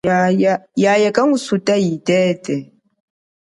Yaya kangu sutata itete.